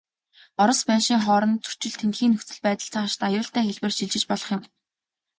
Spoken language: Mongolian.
Орос, Польшийн хоорондын зөрчил, тэндхийн нөхцөл байдал, цаашид аюултай хэлбэрт шилжиж болох юм.